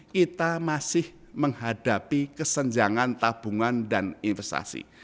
kita masih menghadapi kesenjangan tabungan dan investasi